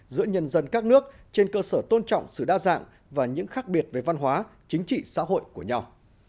giữa nhân dân các nước trên cơ sở tôn trọng sự đa dạng và những khác biệt về văn hóa chính trị xã hội của nhau